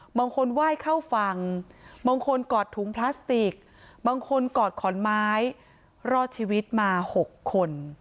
ไหว้เข้าฝั่งบางคนกอดถุงพลาสติกบางคนกอดขอนไม้รอดชีวิตมา๖คน